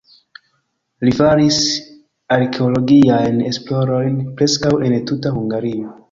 Li faris arkeologiajn esplorojn preskaŭ en tuta Hungario.